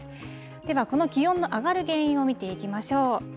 では、この気温が上がる原因を見ていきましょう。